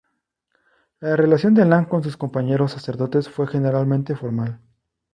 La relación de Lang con sus compañeros sacerdotes fue generalmente formal.